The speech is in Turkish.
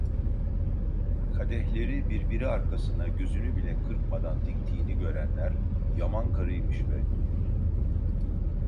Kadehleri birbiri arkasına, gözünü bile kırpmadan diktiğini görenler: "Yaman karıymış be!"